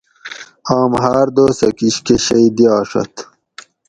آم ہاۤر دوسہ کِشکہ شئ دیاڛت